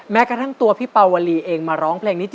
แค่ทั้งตัวพี่เปล่าวลีเองมาร้องเพลงนี้